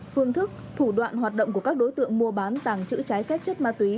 phương thức thủ đoạn hoạt động của các đối tượng mua bán tàng trữ trái phép chất ma túy